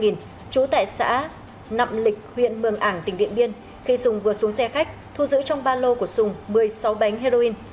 trú tại xã nậm lịch huyện mường ảng tỉnh điện biên khi dùng vừa xuống xe khách thu giữ trong ba lô của sùng một mươi sáu bánh heroin